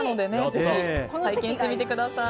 ぜひ体験してみてください。